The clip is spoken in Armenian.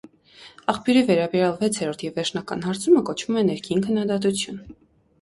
Աղբյուրի վերաբերյալ վեցերորդ և վերջնական հարցումը կոչվում է ներքին քննադատություն։